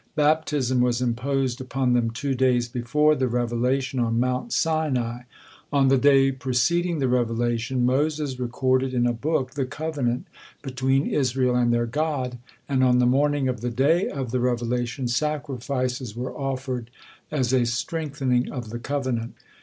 Baptism was imposed upon them two days before the revelation on Mount Sinai. On the day preceding the revelation Moses recorded in a book the covenant between Israel and their God, and on the morning of the day of the revelation, sacrifices were offered as a strengthening of the covenant.